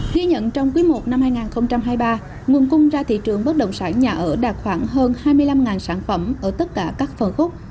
ghi nhận trong quý i năm hai nghìn hai mươi ba nguồn cung ra thị trường bất động sản nhà ở đạt khoảng hơn hai mươi năm sản phẩm ở tất cả các phân khúc